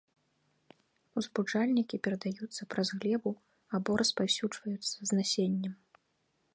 Узбуджальнікі перадаюцца праз глебу або распаўсюджваюцца з насеннем.